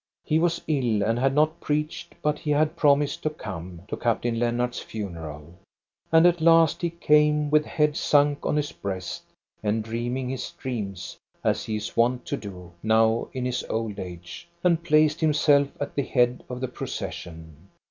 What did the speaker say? He was ill and had not preached; but he had promised to come to Captain Lennart's funeral. And at last he came, with head sunk on his breast, and dreaming his dreams, as he is wont to do now in his old age, and placed himself at the head of the procession.